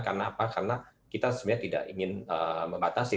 karena apa karena kita sebenarnya tidak ingin membatasi